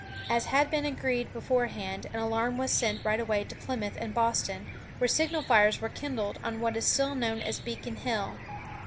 As had been agreed beforehand, an alarm was sent right away to Plymouth and Boston, where signal fires were kindled on what is still known as Beacon Hill.